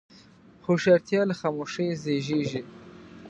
هوښیارتیا له خاموشۍ زیږېږي.